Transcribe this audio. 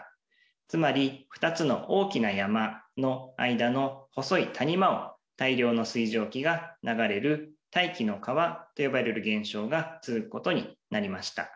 つまり２つの大きな山の間の細い谷間を大量の水蒸気が流れる、大気の川と呼ばれる現象が続くことになりました。